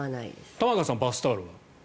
玉川さん、バスタオルは？